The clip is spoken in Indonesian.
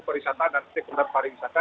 perwisata dan sekunder perwisata